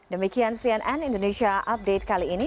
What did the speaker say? demikian cnn indonesia update kali ini